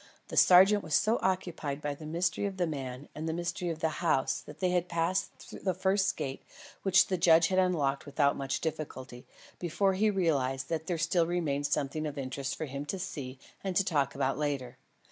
The sergeant was so occupied by the mystery of the man and the mystery of the house that they had passed the first gate (which the judge had unlocked without much difficulty) before he realised that there still remained something of interest for him to see and to talk about later.